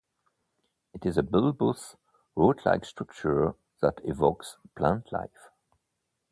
It is a bulbous, root-like structure that evokes plant life.